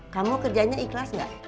kamu kerjanya ikhlas enggak